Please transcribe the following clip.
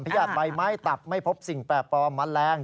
ญาติใบไม้ตักไม่พบสิ่งแปลกปลอมแมลง